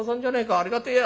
ありがてえや。